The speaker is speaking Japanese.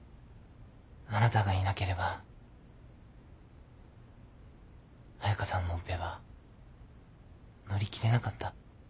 あなたがいなければ彩佳さんのオペは乗り切れなかった。